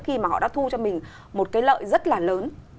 khi mà họ đã thu cho mình một cái lợi rất là lớn